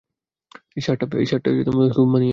এই শার্টটায় তোমাকে খুব মানিয়েছে।